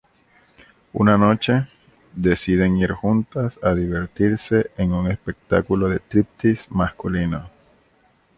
Una noche, deciden ir juntas a divertirse en un espectáculo de striptease masculino.